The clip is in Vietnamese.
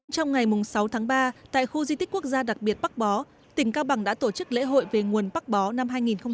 trong ngày sáu tháng ba tại khu di tích quốc gia đặc biệt bắc bó tỉnh cao bằng đã tổ chức lễ hội về nguồn bắc bó năm hai nghìn hai mươi